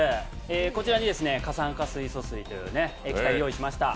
こちらに過酸化水素という液体を用意しました、